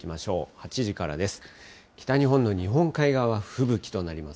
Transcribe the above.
８時からです。